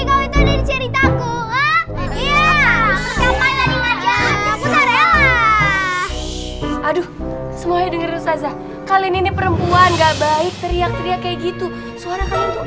aduh semuanya dengerin ustazah kali ini perempuan gak baik teriak teriak kayak gitu suara kalian tuh